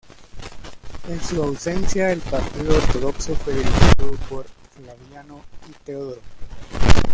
En su ausencia, el partido ortodoxo fue dirigido por Flaviano y Teodoro.